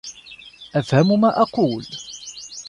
افهم ما أقول.